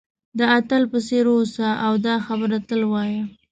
د اتل په څېر اوسه او دا خبره تل وایه.